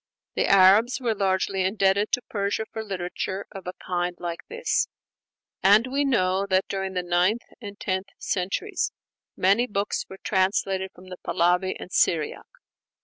The Arabs were largely indebted to Persia for literature of a kind like this; and we know that during the ninth and tenth centuries many books were translated from the Pahlavi and Syriac.